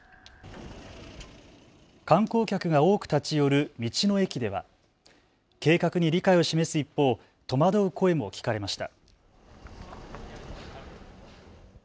観光客が多く立ち寄る道の駅では計画に理解を示す一方、戸惑う声も聞かれました。